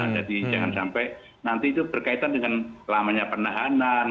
jadi jangan sampai nanti itu berkaitan dengan lamanya penahanan